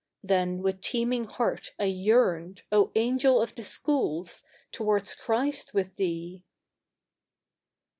Then with teeming heai t I yearned, O Angel of the Schools, towards Christ with thee!